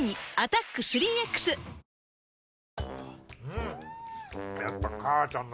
うん。